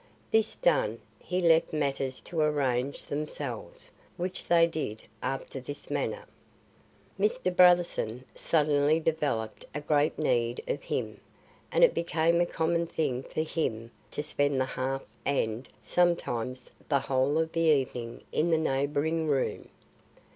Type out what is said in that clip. This done, he left matters to arrange themselves; which they did, after this manner. Mr. Brotherson suddenly developed a great need of him, and it became a common thing for him to spend the half and, sometimes, the whole of the evening in the neighbouring room.